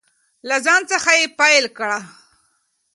له ځان څخه یې پیل کړئ.